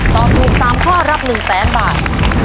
ตอบถูกสามข้อรับหนึ่งแสนบาท